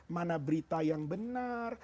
mana berita yang benar